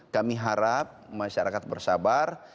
kami harap masyarakat bersabar